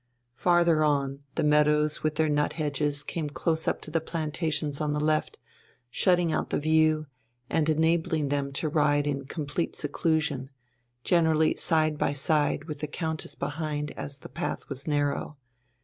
Farther on, the meadows with their nut hedges came close up to the plantations on the left, shutting out the view, and enabling them to ride in complete seclusion, generally side by side with the Countess behind, as the path was narrow.